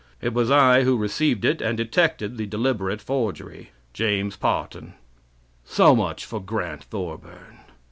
It was I who received it and detected the deliberate forgery..... James Parton" So much for Grant Thorburn.